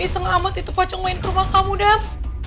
iseng amat itu pocong main ke rumah kamu dam